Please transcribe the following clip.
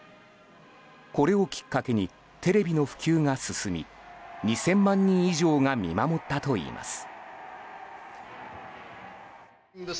これをきっかけにテレビの普及が進み２０００万人以上が見守ったといいます。